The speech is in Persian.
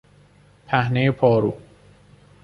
پهنهی پارو